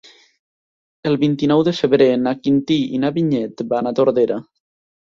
El vint-i-nou de febrer en Quintí i na Vinyet van a Tordera.